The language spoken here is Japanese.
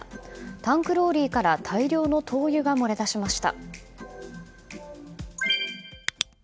タンクローリーから大量の灯油が漏れ出しました。